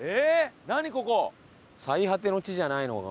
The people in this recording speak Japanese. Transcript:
最果ての地じゃないのか？